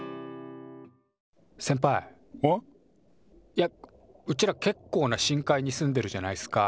いやうちらけっこうな深海に住んでるじゃないっすか？